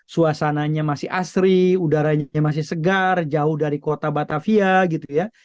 suasananya masih asri udaranya masih segar jauh dari kota batavia gitu ya